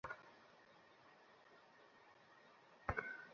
আমাদের কাছে তথ্য আছে যে ওদের কাছে আরও গোলাবারুদ আসছে।